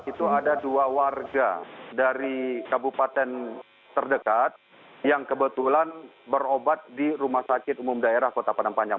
itu ada dua warga dari kabupaten terdekat yang kebetulan berobat di rumah sakit umum daerah kota padang panjang